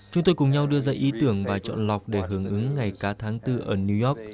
chúng tôi cùng nhau đưa ra ý tưởng và chọn lọc để hưởng ứng ngày cá tháng bốn ở new york